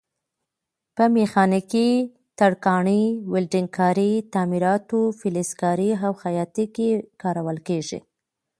په میخانیکي، ترکاڼۍ، ویلډنګ کارۍ، تعمیراتو، فلزکارۍ او خیاطۍ کې کارول کېږي.